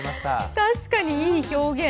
確かに、いい表現。